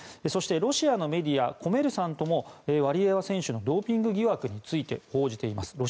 そしてロシアのメディアコメルサントもワリエワ選手のドーピング疑惑について報じています。